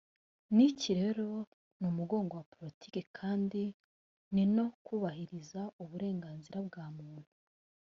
n’iki rero ni umurongo wa politiki kandi ni no kubahiriza uburenganzira bwa muntu